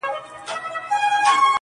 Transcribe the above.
o خوريی چي جوړوي، د ماما سر ورته کښېږدي!